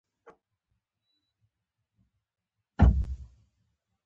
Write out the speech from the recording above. . د نړیوالو سازمانونو له لارې ډيپلوماسي تقویه کېږي.